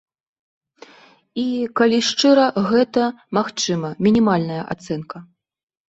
І, калі шчыра, гэта, магчыма, мінімальная ацэнка.